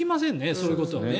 そういうことはね。